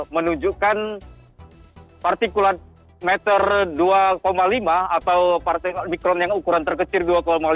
menunjukkan partikulan meter dua lima atau partikulan mikron yang ukuran terkecil dua lima